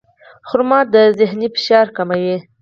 خرما د ذهني فشار کموي.